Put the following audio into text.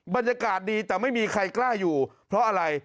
บรรยากาศดีแต่ไม่มีใครกล้าอยู่เพราะอะไร